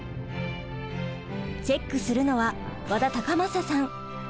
チェックするのは和田隆昌さん。